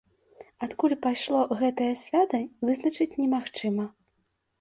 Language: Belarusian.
Адкуль пайшло гэтае свята, вызначыць немагчыма.